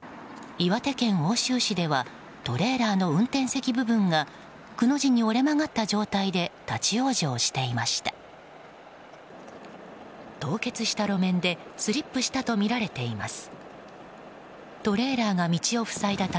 岩手県奥州市ではトレーラーの運転席部分がくの字に折れ曲がった状態で立ち往生していました。